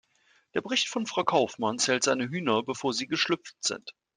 Der Bericht von Frau Kaufmann zählt seine Hühner, bevor sie geschlüpft sind.